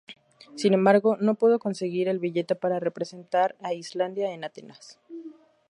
Sin embargo, no pudo conseguir el billete para representar a Islandia en Atenas.